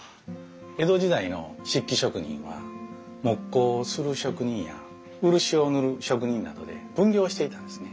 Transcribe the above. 江戸時代の漆器職人は木工をする職人や漆を塗る職人などで分業していたんですね。